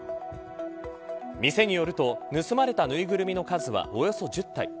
店によると盗まれたぬいぐるみの数はおよそ１０体。